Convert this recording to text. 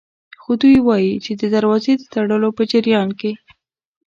خو دی وايي چې د دروازې د تړلو په جریان کې